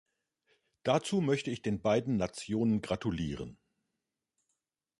Dazu möchte ich den beiden Nationen gratulieren.